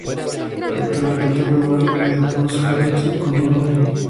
Actualmente tocan en una banda de post-hardcore: Cosmódromo.